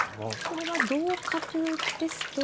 これは同角ですと。